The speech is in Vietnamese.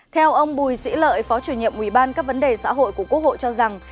theo ông bùi sĩ lợi phó chủ nhiệm uban các vấn đề xã hội của quốc hộ cho rằng